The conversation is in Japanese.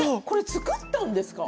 作ったんですか？